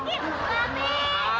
jadi masakan ini tipu juga